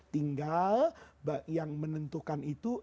tinggal yang menentukan itu